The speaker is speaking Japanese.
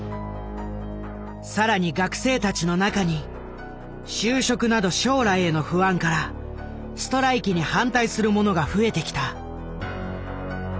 更に学生たちの中に就職など将来への不安からストライキに反対する者が増えてきた。